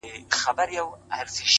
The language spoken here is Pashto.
• دردونه ژبه نه لري چي خلک وژړوم,